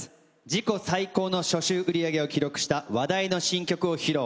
自己最高の初週売り上げを記録した話題の新曲を披露。